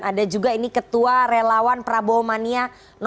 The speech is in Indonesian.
ada juga ini ketua relawan prabowo mania